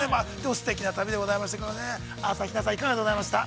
すてきな旅でございましたけれども、朝比奈さん、いかがでございました？